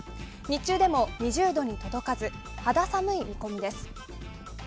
日中でも２０度に届かず肌寒い見込みです。